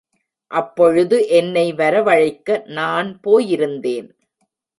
அப்பொழுது என்னை வரவழைக்க, நான் போயிருந்தேன்.